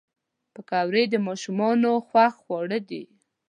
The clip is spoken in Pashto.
پکورې د ماشومانو خوښ خواړه دي